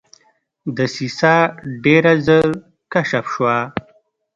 دسیسه ډېره ژر کشف شوه.